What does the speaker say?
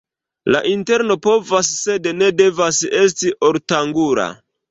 La interno povas, sed ne devas esti ortangula.